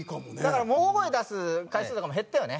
だから大声出す回数とかも減ったよね。